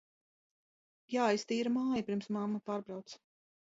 Jāiztīra māja, pirms mamma pārbrauc.